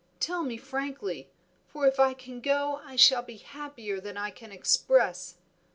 Tell me frankly, for if I can go I shall be happier than I can express."